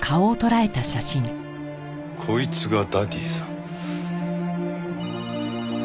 こいつがダディさん。